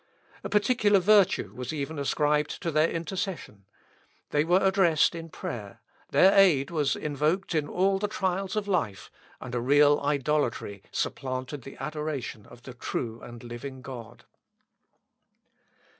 A particular virtue was even ascribed to their intercession. They were addressed in prayer, their aid was invoked in all the trials of life, and a real idolatry supplanted the adoration of the true and living God.